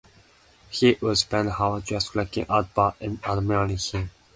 He would spend hours just looking at Bart and admiring him.